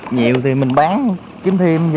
nhiều thì mình bán kiếm thêm gì đó